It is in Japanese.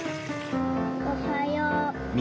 おはよう。